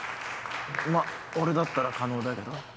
まぁ俺だったら可能だけど。